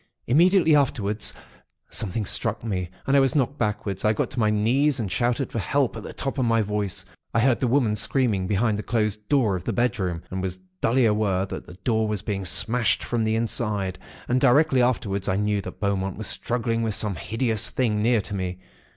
Immediately afterwards, Something struck me, and I was knocked backwards. I got on to my knees, and shouted for help, at the top of my voice. I heard the women screaming behind the closed door of the bedroom, and was dully aware that the door was being smashed from the inside; and directly afterwards I knew that Beaumont was struggling with some hideous thing, near to me.